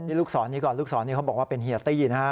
นี่ลูกศรนี้ก่อนลูกศรนี่เขาบอกว่าเป็นเฮียตี้นะฮะ